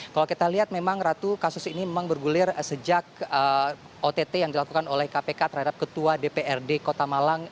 kalau kita lihat memang ratu kasus ini memang bergulir sejak ott yang dilakukan oleh kpk terhadap ketua dprd kota malang